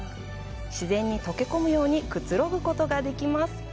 自然に溶け込むようにくつろぐことができます。